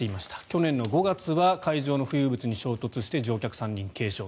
去年の５月には海上の浮遊物に衝突して乗客３人が軽傷。